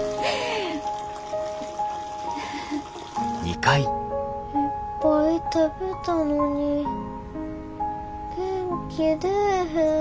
いっぱい食べたのに元気出ぇへん。